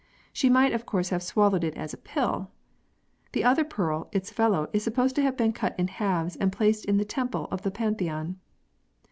She might of course have swallowed it as a pill ! The other pearl, its fellow, is supposed to have been cut in halves and placed in the temple of the Pantheon.